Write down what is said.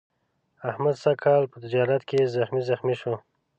احمد سږ کال په تجارت کې زخمي زخمي شو.